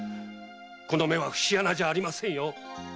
この目は節穴じゃありませんよ！